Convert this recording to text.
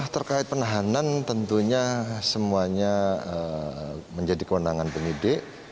terkait penahanan tentunya semuanya menjadi kewenangan penyidik